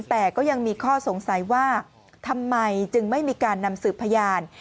แต่ก็ยังมีข้อสงสัยว่าทำไมจึงไม่มีการนำสืบพยาน